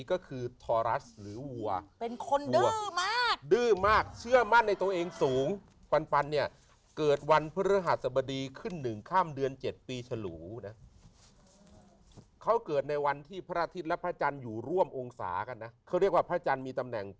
คนเกิดราศีพฤศพมี